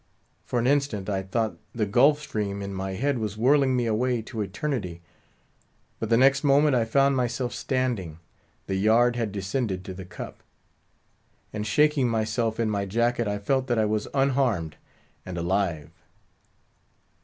For an instant I thought the Gulf Stream in my head was whirling me away to eternity; but the next moment I found myself standing; the yard had descended to the cup; and shaking myself in my jacket, I felt that I was unharmed and alive.